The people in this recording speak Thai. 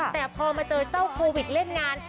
แต่พอมาเจอเจ้าโควิดเล่นงาน